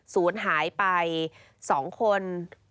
สูญหายไป๒คน